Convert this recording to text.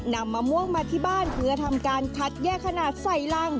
มะม่วงมาที่บ้านเพื่อทำการคัดแยกขนาดใส่รัง